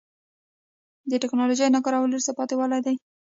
د تکنالوژۍ نه کارول وروسته پاتې والی دی.